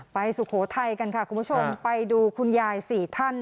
สุโขทัยกันค่ะคุณผู้ชมไปดูคุณยายสี่ท่าน